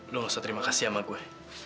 lu gak usah terima kasih sama gue